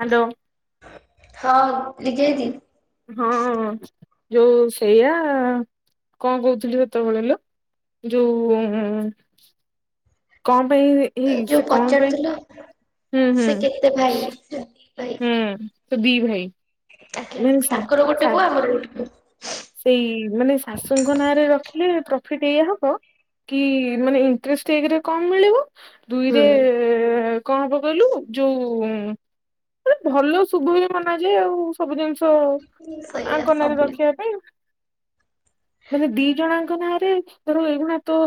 Hello. ହଁ, ଲିଗେଇଚି। ହଁ ଯୋଉ ସେଇଆ କଣ କହୁଥିଲି ସେତେବେଳେ ଲୋ? ଯୋଉ ଉଁ କଣ ପାଇଁ ଏଇ ଯୋଉ ସେ କଣ ପାଇଁ ପଚାରୁଥିଲ ହୁଁ ହୁଁ ସେ କେତେ ଭାଇ? ସେ ଦି ଭାଇ। ହୁଁ ସେ ଦି ଭାଇ। ଆଜ୍ଞା ମାନେ ସା ତାଙ୍କର ସା ଗୋଟେ ପୁଅ ଆମର ଗୋଟେ ପୁଅ। ସେଇ ମାନେ ଶାଶୁଙ୍କ ନାଁରେ ରଖିଲେ ତ ଫିଟ୍ ଏୟା ହବ କି ମାନେ ଇଣ୍ଟ୍ରେଷ୍ଟ ଏକରେ କମ ମିଳିବ ଦୁଇରେ ହୁଁ କଣ ହବ କହିଲୁ, ଯୋଉ ମାନେ ଭଲ ଶୁଭ ବି ମନାଯାଏ ଆଉ। ସବୁଦିନ ସେ ତ ସେଇଆ ଆଙ୍କ ନାଁରେ ସବୁ ରଖିବା ପାଇଁ ମାନେ ଦି ଜଣଆଙ୍କ ନାଁରେ, ଧର ଏଇଗୁଣା ତୋ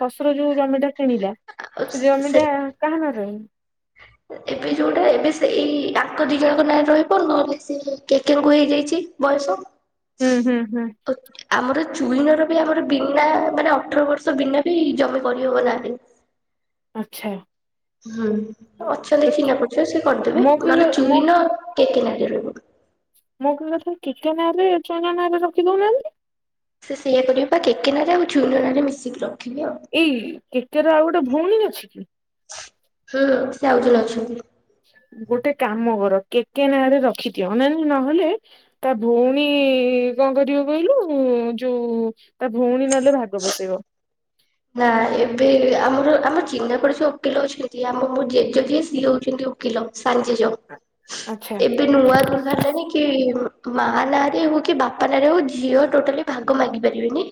ଶଶୁ ଶୁର ଯୋଉ ଜମିଟା କିଣିଲା, ସେ ଜମିଟା କାହା ନାଁରେ ରହିବ? ଏବେ ଯୋଉଟା ଏବେ ସେଇ ଆଙ୍କ ଦି ଜଣଙ୍କ ନାଁରେ ରହିବ, ନହେଲେ ସିଏ କେକେଙ୍କୁୁ ହେଇଯାଇଚି ବୟସ। ହୁଁ-ହୁଁ-ହୁଁ। ଚୁଇନର ବି ଆମର ବିନା ମାନେ ଅଠର ବର୍ଷ ବିନା ବି ଜମି କରିହବ ନାଁରେ। ଆଚ୍ଛା। ହୁଁ ଅଛନ୍ତି ତ କି ଚିହ୍ନା ପରିଚୟ ସିଏ କରିଦେବେ, ମୋ କହିବା ନହେଲେ ମୋ ଚୁଇନ କେକେ ନାଁରେ ରହିବ। ମୋ କହିବା କଥା, କେକେ ନାଁରେ ଚୁଇନ ନାଁରେ ରଖି ଦଉନାହାଁନ୍ତି? ସେ ସେଇଆ କରିବ ବା, କେକେ ନାଁରେ ଆଉ ଚୁଇନ ନାଁରେ ମିଶିକି ରଖି ଏଇ, କେକେର ଆଉ ଗୋଟେ ଭଉଣୀ ଅଛି କି? ହୁଁ। ସିଏ ଆଉ ଜଣେ ଅଛନ୍ତି। ଗୋଟେ କାମ କର, କେକେ ନାଁରେ ରଖିଦିଅ। ଅନାନୀ ନହେଲେ, ତା ଭଉଣୀ ଣୀ କଣ କରିବ କହିଲୁ, ଯୋଉ ତା ଭଉଣୀ ନହେଲେ ଭାଗ ବସେଇବ। ହ ନା ଏବେ ଆମର ଆମର ଚିହ୍ନା ପରିଚୟ ଓକିଲ ଅଛନ୍ତି। ଆମ ମୋ ଜେଜେ ଯିଏ, ସିଏ ହଉଛନ୍ତି ଓକିଲ ସାନଜେଜ। ଆଚ୍ଛା ଏବେ ନୂଆ ରୁଲ ବାହାରିଲାଣିି କି ମାଆ ନାଁରେ ହଉ, କି ବାପା ନାଁରେ ହଉ, ଝିଅ ଟୋଟାଲି ଭାଗ ମାଗି ପାରିବେନି।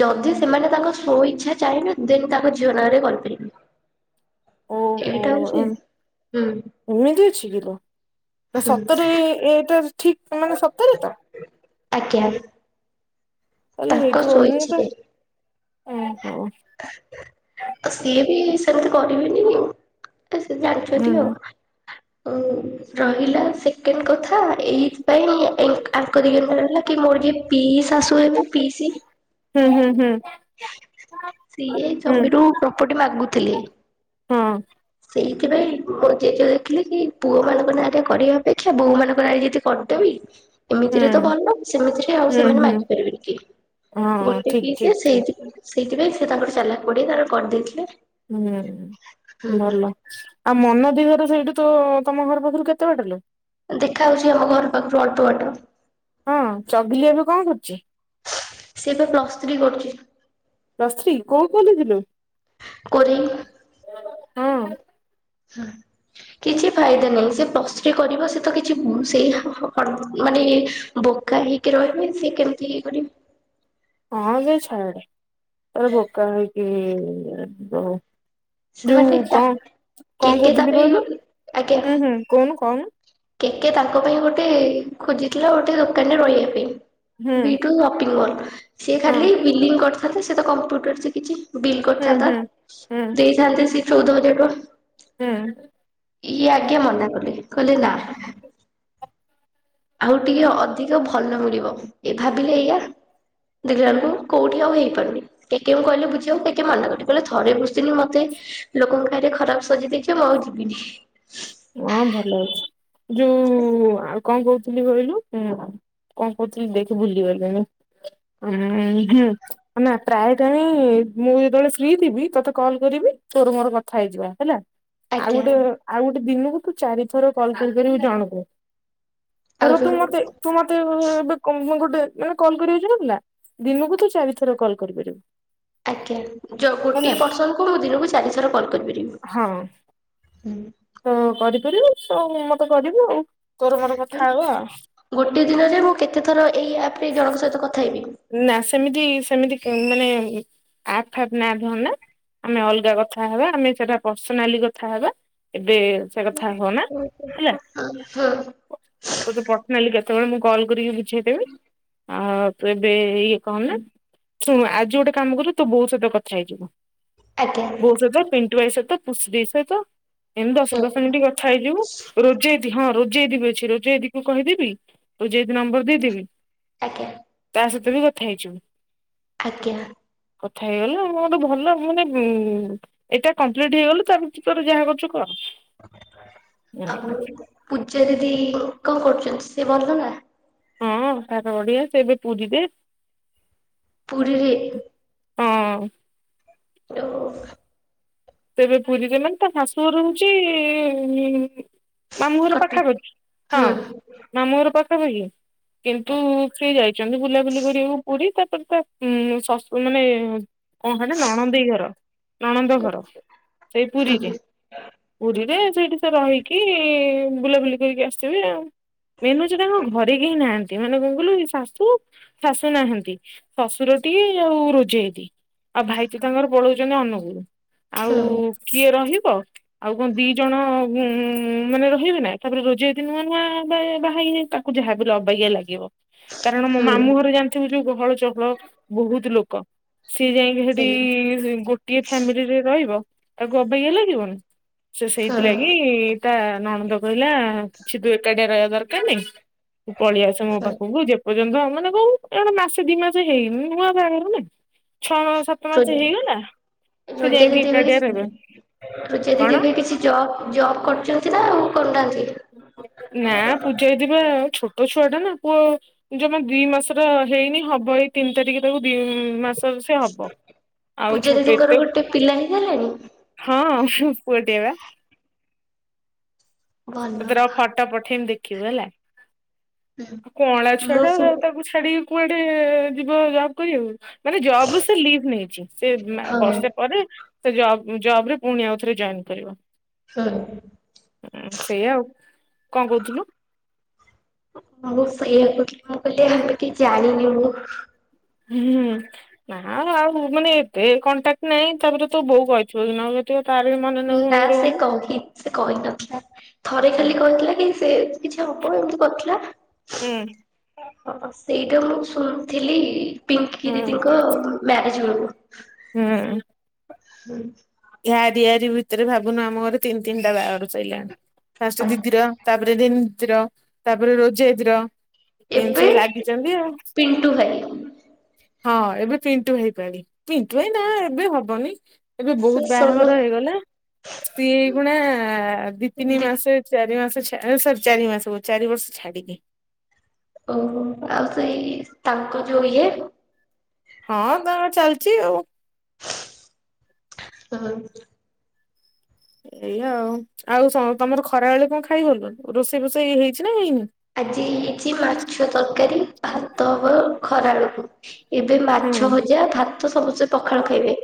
ଯଦି ସେମାନେ ତାଙ୍କ ସ୍ଵ ଇଚ୍ଛା ଚାହିଁବେ, ଦେନ୍ ତାଙ୍କ ଝିଅ ନାଁରେ କରିପାରିବେ। ଓହୋ ଏଇଟା ହଉଛି ହୁଁ। ଏମିତି ଅଛି କିଲୋ। ସତରେ ଏ-ଏଇଟା ଠିକ ମାନେ ସତରେ ତ? ଆଜ୍ଞା। ତାହେଲେ ତାଙ୍କ ହେଇଥିବ। ସ୍ଵ ମୁଁ ବା ଇଚ୍ଛାରେ। ଆଉ ସିଏ ବି ସେମତି କରିବେନି ଆ ସେ ହୁଁ ଜାଣିଚନ୍ତି ଆଉ। ଆଉ ରହିଲା ସେକେଣ୍ଡ କଥା ଥା, ଏଇଥିପାଇଁ ଏ ଆଙ୍କ ଦିଗରେ ରହିଲା କି, ମୋର କିଏ ପିଇଶାଶୂ ହେବେ ପିଇସି ହୁଁ-ହୁଁ-ହୁଁ। ସିଏ ଜମିରୁ ପ୍ରପର୍ଟି ମାଗୁଥିଲେ ହଁ ସେଇଥିପାଇଁ, ମୋ ଜେଜ ଦେଖିଲେ କି, ପୁଅମାନଙ୍କ ନାଁରେ କରିବା ଅପେକ୍ଷା ବୋହୂମାନଙ୍କ ନାଁରେ ଯଦି କରିଦେବି ହୁଁ ଏମିତିରେ ତ ଭଲ, ସେମିତିରେ ଆଉ ହୁଁ ସେମାନେ ହୁଁ ମାଗିପାରିବେନି କିଏ। ହଁ ଗୋଟେ ଠିକ ପିଇସୀ ଠିକ ଠିକ ସେଇଥି ସେଇଥିପାଇଁ ସିଏ ତାଙ୍କର ଚାଲାକ ପଡ଼ି ସିଏ ତାଙ୍କର କରିଦେଇଥିଲେ ହୁଁ ଭଲ। ଆଉ ମନ ଦିଦି ଘର ସେଇଠୁ ତୋ, ତମ ଘର ପାଖରୁ କେତେ ବାଟ ଲୋ? ଦେଖା ହଉଛି ଆମ ଘର ପାଖରୁ ଅଳ୍ପ ବାଟ। ହଁ ଚଗିଲି ଏବେ କଣ କରୁଛି ସିଏ ଏବେ ପ୍ଲସ୍ ଥ୍ରୀ କରୁଛି। ପ୍ଲସ ଥ୍ରି, କୋଉ କଲେଜ ଲୋ? କୋରେଇ। ହଁ। ହଁ। କିଛି ଫାଇଦା ନାହିଁ। ସିଏ ପ୍ଲସ ଥ୍ରି କରିବ ସେ ତ କିଛି ମୁଁ ସେଇ [unintelligible] ମାନେ ବୋ ବୋକା ହେଇକି ରହିବି, ସିଏ କେମତି ଇଏ କରିବ? ହଁ ଯେ ଛାଡେ। ତାର ବୋକା ହେଇକି ରହୁ। ସେମାନେ ଯୋଉ ତା କଣ, କଣ କେକେ ତା କହୁଥିଲି ପାଇଁ କହିଲୁ? ଆଜ୍ଞା ହୁଁ ହୁଁ, କହୁନୁ କହୁନୁ। କେକେ ତାଙ୍କ ପାଇଁ ଗୋଟେ, ଖୋଜିଥିଲା ଗୋଟେ ଦୋକାନରେ ରହିବା ହୁଁ ପାଇଁ ବି ଟୁ ସପିଂ ମଲ୍। ସେ ହଁ ଖାଲି ବିଲିଂ କରିଥାନ୍ତା, ସେ ତ କମ୍ପ୍ୟୁଟର ଶିଖିଚି ବିଲ୍ ହୁଁ କରିଥାନ୍ତା, ହୁଁ ହୁଁ ଦେଇଥାନ୍ତେ ସେ ଚଉଦ ହଜାର ଟଙ୍କା। ହୁଁ ଇଏ ଆଜ୍ଞା ମନା କଲେ କହିଲେ ନା। ଆଉ ଟିକେ ଅଧିକ ଭଲ ମିଳିବ ଏ ଭାବିଲେ ଏଇଆ। ଦେଖିଲାବେଳକୁ କୋଉଠି ଆଉ ହେଇପାରୁନି କେକେ କୁ କହିଲେ ବୁଝିବାକୁ କେକେ ମାନା କରିଦେଲେ କହିଲେ ଥରେ ତେଣୁ ମତେ ଲୋକଙ୍କ କାଇରେ ଖରାପ ସଜେଇ ଦେଇଛି, ମୁଁ ଆଉ ଯିବିନି। ହଁ ଭଲ ହେଇଛି। ଯୋଉ ଆଉ କଣ କହୁଥିଲି କହିଲୁ କଣ କହୁଥିଲି ଦେଖ ଭୁଲିଗଲିଣି ଉ ହୁଁ ଅନା ପ୍ରାୟ ଟାଇମି ମୁଁ ଯେତେବେଳେ ଫ୍ରି ଥିବି, ତତେ କଲ୍ କରିବି ତୋର ମୋର କଥା ହେଇଯିବା ହେଲା। ଆଉ ଆଜ୍ଞା ଗୋଟେ ଆଉ ଗୋଟେ ଦିନକୁ ତୁ ଚାରି ଥର କଲ କରିପାରିବୁ ଜଣକୁ। ଆଉ ଧର ତୁ ଜଣ ମତେ ତୁ ମତେ ଏବେ କଣ ଗୋଟେ ମାନେ କଲ୍ କରିବା ଇଛ଼ା ନଥିଲା। ଦିନୁକୁ ତୁ ଚାରିଥର କଲ୍ କରିପାରିବୁ। ଆଜ୍ଞା। ଯ ହେଲା ଗୋଟିଏ ପରସନ ମୁଁ ଦିନକୁ ଚାରିଥର କଲ୍ କରିପାରିବି। ହଁ ହୁଁ। ତ କରି ପାରିବୁ ତ ମତେ କରିବୁ ଆଉ। ତୋର ମୋର କଥା ହବା। ଗୋଟେ ଦିନରେ ମୁଁ କେତେ ଥର ଏଇ ଆପରେ ଜଣଙ୍କ ସହିତ କଥା ହେବି? ନା ସେମିତି ସେମିତି ମାନେ ଆପ୍ ଫାପ ନା ଧର ନା। ଆମେ ଅଲଗା କଥା ହବା ଆମେ ସେଟା ପର୍ସନାଲି କଥା ହେବା। ଏବେ ସେ କଥା ହ ନା ହଁ ହେଲା ଆଜ୍ଞା ହଁ ତତେ ପର୍ଶନାଲି କେତେବେଳେ ମୁଁ କଲ୍ କରିକି ବୁଝେଇଦେବି ଆଉ ତୁ ଏବେ ଇଏ କଣ ନା, ଶୁଣୁ ଆଜି ଗୋଟେ କାମ କରିବୁ ତୋ ବୋଉ ସହିତ କଥା ହେଇଯିବୁ। ବୋଉ ସହିତ ପେଣ୍ଟୁ ଭାଇ ସହିତ ପୁସି ଦେଇ ସହିତ। ଏମତି ଦଶ ଦଶ ମିଣ୍ଟି କଥା ହେଇଯିବୁ ରୋଜେଇ ଦିଦି ହଁ ରୋ ରୋଜେଇ ଦି ଅଛି ରୋଜେଇ ଦିକୁ କହିଦେବି? ରୋଜେଇ ଦିଦି ନମ୍ବର ଦେଇଦେବି। ଆଜ୍ଞା। ତା ସହିତ ବି କଥା ହେଇଯିବୁ। ଆଜ୍ଞା। କଥା ହେଇଗଲା ଆ ଗୋଟେ ଭଲ। ମାନେ ଉ ଏଇଟା କମ୍ପ୍ଲିଟ ହେଇଗଲେ ତା ଭିତରେ ଯାହା କରୁଛୁ କର। ଆଉ ହୁଁ ପୂଜା ଦିଦି କଣ କରୁଛନ୍ତି? ସେ ଭଲ ନା? ହଁ ତାର ତ ବଢ଼ିଆ ସେ ଏବେ ପୂରି ରେ ପୁରୀରେ? ହଁ। [unintelligible] ସେ ଏବେ ପୁରୀରେ ମାନେ ତା ଶାଶୁଘର ହଉଛି ଉ ମାମୁଁଘର କଟକ ପାଖାପାଖି ହଁ ହୁଁ। ମାମୁଁଘର ପାଖାପାଖି। କିନ୍ତୁ ସେ ଯାଇଛନ୍ତି ବୁଲାବୁଲି କରିବାକୁ ପୁରୀ। ତା ତ ତା ଶସୁ ମାନେ କଣ କହିଲ ନଣନ୍ଦେଇ ଘର ନଣନ୍ଦ ଘର। ସେଇ ପୁରୀରେ, ହୁଁ ପୁରୀରେ ସେଇଠି ସେ ରହିକି ସେ ବୁଲାବୁଲି କରିକି ଆସିବେ ଆଉ, ମେନ ହଉଚି ତାଙ୍କ ଘରେ ହିଁ ନାହାନ୍ତି। ମାନେ କଣ କହିଲୁ ଶାଶୁ, ଶାଶୁ ନାହାନ୍ତି ଶ୍ୱଶୁର ଟିଏ ଆଉ ରୋଜେଇ ଦିଦି। ଆଉ ଭାଇ ତ ତାଙ୍କର ପଳଉଛନ୍ତି ଅନୁଗୁଳୁ, ଆଉ ହୁଁ କିଏ ରହି ଵ ଆଉ କଣ ଦି ଜଣ ଉ ମାନେ ରହିବେ ନା ତାପରେ ରୋଜେଇ ଦିଦି ନୂଆ ନୂଆ ବାହା ବାହା [unintelligible] ତାକୁ ଯାହାବି ହେଲେ ଅବାଗିଆ ଲାଗିବ। କାରଣ ମୋ ହୁଁ ମାମୁଁ ଘରେ ଜାଣିଥିବୁ, ଯୋଉ ଗହଳ ଚହଳ ବହୁତ ଲୋକ! ସିଏ ଯାଇଁକି ହେଠି ସେଇଆ ଗୋଟିଏ ଫ୍ୟାମିଲିରେ ରହିବ। ତାକୁ ଅବାଗିଆ ଲାଗିବନି? ସେ ହଁ ସେଇଥିଲାଗି ତା ନଣନ୍ଦ କହିଲା କିଛି ତୁ ଏକା ଏକା ରହିବା ଦରକାର ନାଇଁ। ତୁ ପଳେଇଆସେ ମୋ ହଁ। ପାଖକୁ ଯେପର ଯ୍ୟନ୍ତ ମାନେ କୋଉ ଏ ମାନେ ମାସେ ଦି ମାସେ ହେଇନି ନୂଆ ବାହାଘର ନା। ଛଅ ମାସ ସାତ ମାସ ହେଇଗଲା! ସେ [unintelligible] ପୂଜା ଯାଇକି ଏକାଟିଆ ରହିବେ କଣ? ଦିଦି ଏବେ କିଛି ଜବ ଜବ କରୁଛନ୍ତି ନା ଆଉ କରୁନାହାନ୍ତି? ନା ପୂଜା ଦିଦି ପା ଆଉ ଛୋ ଛୁଆ ଟା ନା ପୁଅ ଜମା ଦି ମାସର ହେଇନି ହବଳି ତିନି ତାରିଖ ତାକୁ ଦି ମାସ ସେ ହବ ଆଉ ପୂଜା ଛୋଟ ଦିଦିଙ୍କର ଏତେ ଗୋଟେ ପିଲା ହେଇଗଲାଣି ହଁ, ପୁଅଟିଏ ବା ଭଲ ତତେ ର ଫଟୋ ପଠେଇମି ଦେଖିବୁ ହେଲା। ଆଉ କଅଁଳା ଛୁଆ ମୁଁ ଟା ତାକୁ ଛାଡିକି କୁଆଡେ ‌ ଯିବ ଜବ କରିବାକୁ ମାନେ ଜବ ରୁ ସେ ଲିଭ ନେଇଛି ସେ ହଁ ବର୍ଷେ ପରେ ବ ଜବ ରେ ପୁଣି ଆଉଥରେ ଜଏନ୍ କରିବ। ହଁ ହଁ ସେଇଆା ଆଉ କଣ କହୁଥିଲୁ? ମୁ ସେଇଆକୁଥିଲ ମୁଁ ଆମେ କି ଜାଣିନି ମୁଁ ହୁଁ ନାଉ ଆଉ ମାନେ ଏତେ କଣ୍ଟାକ୍ଟ ନାହିଁ ତାପରେ ତୋ ବୋଉ କହିଥିବ କି ନ କହିଥିବ ତାର ବି ମନେ ନ ନା ସେ ରହୁନି। କହି ସେ କହି ନଥିଲା ଥରେ ହୁଁ ଖାଲି କହିଥିଲା କି ସେ କିଛି ହବ ଏମିତି କରିଥିଲା ହୁଁ। ହ ସେଇଟା ମୁଁ ଶୁଣିଥିଲି ପିଙ୍କି ହୁଁ ଦିଦିଙ୍କ ମ୍ୟାରେଜ ବେଳକୁ। ହୁଁ। ଆରି ଆରି ଭିତରେ ଭାବୁନୁ ଆମ ଘୋରେ ତିନି ତିନିଟା ବାହାଘର ସଇଲାଣି। ଫାଷ୍ଟ ଦିଦିର ତାପରେ ଜିନି ଦିଦର ତାପରେ ରୋଜିୟା ଦିଦି ର। ଏମିତି ଏବେ ସବୁ ଲାଗିଛନ୍ତି ଆଉ। ପିଣ୍ଟୁ ଭାଇ ହଁ ଏବେ ପିଣ୍ଟୁଭାଇ ପାଳି ପିଣ୍ଟୁ ଏଇ ନା ଏବେ ହବନି ଏବେ ସେ ବହୁତ ସୋଲ ବାହାଘର ହେଇଗଲା ସ୍ତ୍ରୀ ଏଇଖୁଣା ଦି ତିନି ମାସ ଚାରି ମାସ ଚାରି ମାସ ଚାରି ବର୍ଷ ଛାଡିକି ଓହୋ ଆଉ ସେଇ ତାଙ୍କ ଯୋଉ ଇଏ ହଁ ତାଙ୍କର ଚାଲିଛି ଆଉ। [unintelligible] ଏଇଆ ଆଉ ଆଉ ତମର ଖରାବେଳେ କଣ ଖାଇଗଲୁ। ରୋଷେଇ ଫୋଷେଇ ହେଇଛି ନା ହେଇନି? ଆଜି ହେଇଛି ମାଛ ତରକାରୀ ଭାତ ଖରା ବେଳକୁ ଏବେ ହୁଁ ମାଛ ଭଜା ଭାତ ସମସ୍ତେ ପଖାଳ ଖାଇବେ।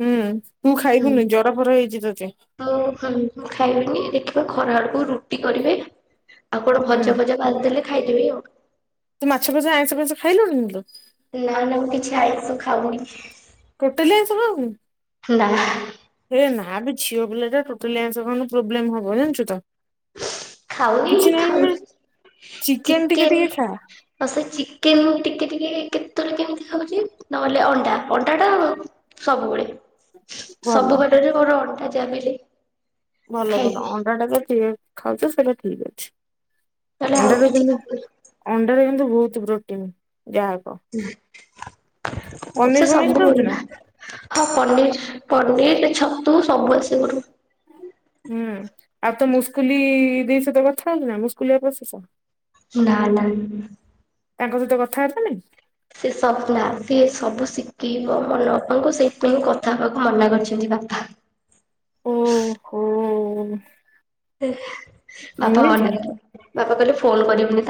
ହୁଁ ତୁ ହଁ ଖାଇବୁନି ଜର ଫର ହେଇଚି ତତେ ଆଉ ହଁ ଖାଇବନି ଦେଖିବା। ଖରା ଆଡକୁ ରୁଟି କରିବେ। ଆଉ କଣ ହୁଁ। ଭଜା ଫଜା ଭାଜି ଦେଲେ ଖାଇଦେବି ଆଉ। ଖାଇଲୁ କି ଲୋ? ନା ନା ମୁଁ କିଛି ଆଇଷ ଖାଉନି। ଟୋଟାଲ ଆଇଷ ଖାଉନୁ ନା ହେ ନାବେ ଝିଅ ପିଲା ଟା ଟୋଟାଲ ଆଇଷ ଖାଉନୁ ପ୍ରୋବ୍ଲେମ ହବ ଜାଣିଛୁ ତ? ଖାଉନି କିଛି ନାହିଁ ନା ଖାଉନି ଟିକେ ଚିକେନ ଟିକେ ଖା ଆଉ ସେ ଚିକେନ ଟିକେ ଟିକେ କେମିତି ଖାଉଛି ନହେଲେ। ଅଣ୍ଡା ଅଣ୍ଡା ଟା ସବୁବେଳେ ଭଲ। ସବୁ ବାରରେ ମୋର ଅଣ୍ଡା ଜାଆବି ହେଲେ ଭଲ ଭଲ ଖାଇବି ଅଣ୍ଡା ଟା ତ ଖାଉଛ ସେଇଟା ଠିକ ଅଛି। ନହେଲେ ଆଉ ଅଣ୍ଡାରେ କିଛି କିନ୍ତୁ ଖାଉନି ଅଣ୍ଡାରେ କିନ୍ତୁ ବହୁତ ପ୍ରୋଟିନ୍। ହୁଁ। ହ ପନିର ସେ ସବୁ ଫନିର ଭ ଖାଉଛୁ ନା? ହଁ ପନିର ପନିର ଛତୁ। ସବୁ ଆସ କର। ମୁଁ କହିଲି ଦେଇ ସହିତ କଥା ହୋଉଛୁ ନା ମୁଁ ସ୍କୁଲ ରେ? ନା ନା। ତାଙ୍କ ସହିତ କଥାବାର୍ତ୍ତା ନାଇ? ସେ ସବୁ ନା ସବୁ ଶିଖେଇବ ମନ ବାପାଙ୍କୁ, ସେଇଥିପାଇଁ କଥା ହବାକୁ ମନା କରିଛନ୍ତି ବାପା। ଓ ହୋ। ବାପା ମନେ କ ବାପା କହିଲେ ଫୋନ କରିବନି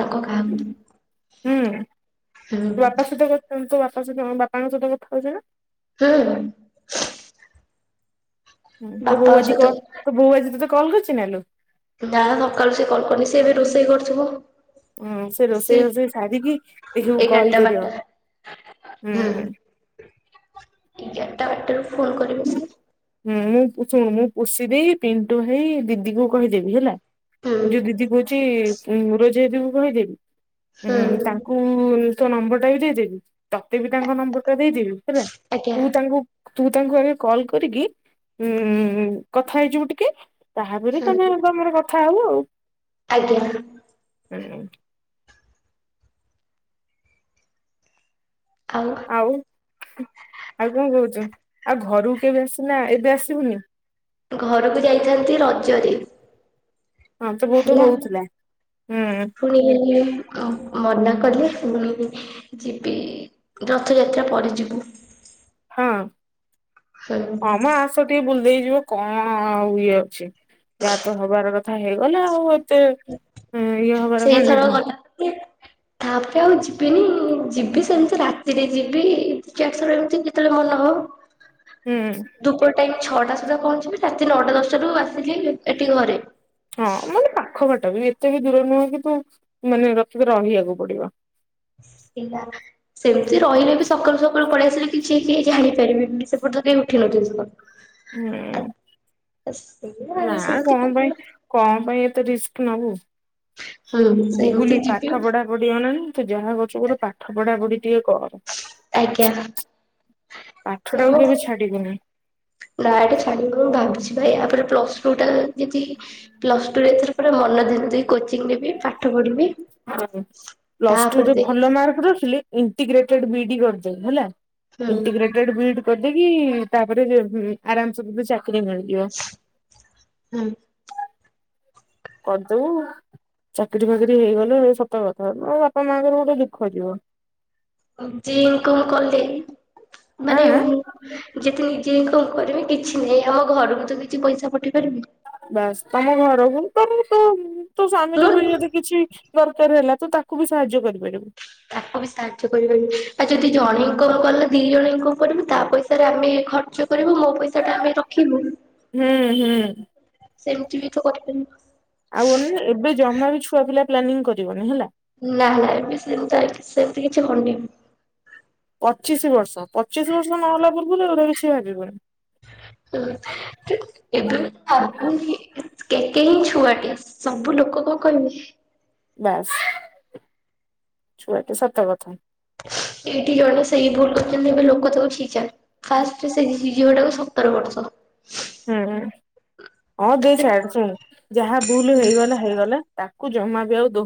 ହୁଁ ବାପା ସୁଧା କରଛନ୍ତି, ତୁ ବାପ କା ସହିତ ତମ ବାପାଙ୍କ ସହିତ କଥା ହଉଛ ନା। ହଁ ଅଂ ହୁଁ ତୋ ବୋଉଆଜି କ ସହିତ ତୋ ବୋଉ ଆଜି ତତେ କଲ୍ କରିଚି ନାଲୋ। ନା ସକାଳୁ ସେ କଲ କରିନି ସେ ଏବେ ରୋଷେଇ କରୁଥିବ। ଉଁ ସେ ରୋଷେଇ ଫୋଷେଇ ସାରିକି ଦେଖୀବୁ କଲ୍ ଏଗାରଟା କରିବ। ବାରଟା ହୁଁ। ଏଗାରଟା ଗୋଟେରୁ ଫୋନ କରିବ ସେ। ହୁଁ ମୁଁ ଶୁଣ ମୁଁ ପୁଷି ଦେଇ ପିଣ୍ଟୁ ଭାଇ ଦିଦିକୁ କହିଦେବି ହେଲା। ହୁଁ ଯୋଉ ଦିଦି କହୁଛି ମୁଁ ରୋଜି ଦିଦିଙ୍କୁ କହିଦେବି। ହୁଁ ତାଙ୍କୁ ତୋ ନମ୍ବର ଟା ବି ଦେଇଦେବି। ତତେ ବି ତାଙ୍କ ନମ୍ବର ଟା ଦେଇଦେବି ହେଲା ଆଜ୍ଞା ତୁ ତାଙ୍କୁ ତୁ ତାଙ୍କୁ ଆଗେ କଲ୍ କରିକି ଉଁ କଥା ହେଇଯିବୁ ଟିକେ। ତାହାପରେ ହୁଁ ତମେ ତମର କଥା ହଉ ଆଉ। ଆଜ୍ଞା। ହୁଁ। ଆଉ ଆଉ କଣ କହୁଛୁ? ଆଉ ଘରକୁ କେବେ ଆସିବୁନା ଏବେ ଆସିବୁନି? ଘରକୁ ଯାଇଥାନ୍ତି ରଜରେ। ହଁ ତ ବହୁତ ହେଲା ହଉଥିଲା ହୁଁ ପୁଣି ହେଲେ ମନା କହିଲେ ଶୁଣିବି ଯିବି ରଥଯାତ୍ରା ପରେ ଯିବୁ। ହଁ ହୁଁ ହମ ଆସ ଟିକେ ବୁଲି ଦେଇକିଯିବ। କଣଆ ଉ ଇଏ ଅଛି ଯାହାତ ହବାର କଥା ହେଇଗଲା ଆଉ ଏ ତେ ଇଏ ହବାର ମାନେ କଣ। ହଁ। ତାପରେ ଆଉ ଯିବିନି ଯିବି ସେମିତି ରାତିରେ ଯିବି ଏଠିକି ଆସିଲା ବେଳକୁ କେତେବେଳେ ମନ ହୁଁ ହେବ। ଧୂପ ଟାଇମ। ଛଅଟା ସୁଦ୍ଧା ପହଞ୍ଚିବି ରାତି ନଅଟା ଦଶଟାଠୁ ଆସିକି ଏଠି ଘରେ। ହଁ ମାନେ ପାଖବାଟ। ଏଟାବି ଏତେ ବି ଦୂର ନୁହଁ କିତୁ ମାନେ ରଖିବେ ରହିବାକୁ ପଡିବ। ହେଲା ସେମିତି ରହିଲେ ବି ସକାଳୁ ସକାଳୁ ପଳେଇ ଆସିଲେ କିଛି କିଏ ଜାଣିପାରିବେିନି ସେପଟ ଯଦି ନାଇଁ ଉଠି ନଥିଲି ତ। ହୁଁ ସେଇଆ ଆଉ ନା ସେମିତି କଣ ପାଇଁ କରିବା କଣ ପାଇଁ ଏତେ ରିସ୍କ। [inaudible] ହୁଁ ସେମିତି ଗୁଗୁଲି ଯିବି ପାଠ ପଢା ପଢି ଅନାନି ତୁ ଯାହା କରଛୁକର ପାଠ ପଢା ପଢି ଟିକେ କର। ଆଜ୍ଞା। ପାଠ ଟାକୁ ନାମ କେବେ ଛାଡିବୁନି ଡାଇରେକ୍ଟ ଛାଡିବ ବୋଲି ମୁ ଭାବିଛି। ଭାଇ ଆପରେ ପ୍ଲସ ଟୁ ଟା ଯଦି ପ୍ଲସ ଟୁ ରେ ଏଥର ପୁରା ମନ ଧ୍ୟାନ ଦେଇ କୋଚିଂ ନେବି ପାଠ ପଢିବି ତାପରେ ଦେଖ ଇଣ୍ଟିଗ୍ରେଟେଡ଼ ବିଡି କରିଦେ ହେଲା ହୁଁ ଇଣ୍ଟିଗ୍ରେଟେଡ଼ ବିଇଡି କର ଦେଇକି କି ତାପରେ ବି ଆରାମସେ ବି ଚା କିରି ମିଳିଯିବ। କରିଦବୁ ଉ ଚାକିରି ଫାକିରି ହେଇଗଲ ସତ କଥା ମାନେ ବାପା ମାଆଙ୍କର ଗୋଟେ ଦୁଃଖ ଯିବ। ଯେ ଇନକମ୍ କଲେ ଆଁ ମାନେ ଆଁ ଯେତେ ନିଜ କି କଣ କରିବି କିଛି ନାହିଁ ଆମ ଘରକୁ ତ କିଛି ପଇସା ପଠେଇ ପାରିବି। ବାସ ତମ ଘରକୁ ତ ତୋ ତୋ ସ୍ଵାମୀର ବି ଯଦି କିଛି ଦରକାର ହେଲା ତ ତାକୁ ବି ସାହାଯ୍ୟ କରିପାରିବୁ। ତାକୁ ବି ସାହାଯ୍ୟ କରିପାରିବି ଆଉ ଯଦି ଜଣେ ଇନକମ କଲା ଦି ଜଣଜାଙ୍କ ଉପରେ ବି ତା ପଇସାରେ ଆମେ ଖର୍ଚ୍ଚ କରିବୁ ମୋ ପଇସା ଟା ଆମେ ରଖିବୁ। ହୁଁ ହୁଁ। ସେମିତି ବି ତ କରିପାରିବୁ ଆଉ ଅନେଇଲ ଏବେ ଜମାରୁ ଛୁଆ ପିଲା ପ୍ଲାନିଂ କରିବନି ହେଲା। ନା ନା ଏବେ ସେମିତି ଏବେ ସେମିତି କିଛି ଘଟିନି। ପଚିଶି ବର୍ଷ ପଚିଶି ବର୍ଷ ନହେଲା ପୂରୁ ଏଗୁରା ଲକିଛି ଭାବିବୁନି। ଏବେ [unintelligible] କେତେ ହିଁ ଛୁଆଟିଏ ସବୁ ଲୋକ କଣ କହିବେ। ବାସ୍ ଚଛୁଆଟେ ସତକଥା। ଏଇଠି ଜଣେ ସେଇ ଭୁଲ କରିଛନ୍ତି ଏବେ ଲୋକ ତାକୁ ଛି ଛାକର ଫାଷ୍ଟେ ସେଇ ଝିଅ ଟାକୁ ସତର ବର୍ଷ। ହୁଁ ହଁ ଦେଏ ସେ ଛାଦେ ଶୁଣ ଯାହା ଭୁଲ ହେଇଗଲା ହେଇଗଲା ଜମା ବି ଆଉ ଦଉ